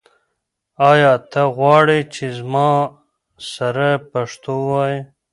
آیا ته غواړې چې زما سره پښتو ووایې؟